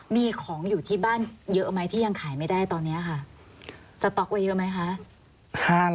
มีของอยู่ที่บ้านเยอะไหมที่ยังขายไม่ได้ตอนนี้ค่ะสต๊อกไว้เยอะไหมคะ